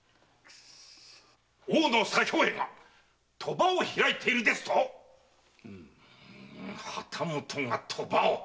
大野左兵衛が賭場を開いているですと⁉旗本が賭場を！